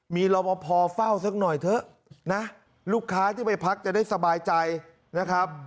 มีรอปภเฝ้าสักหน่อยเถอะนะลูกค้าที่ไปพักจะได้สบายใจนะครับ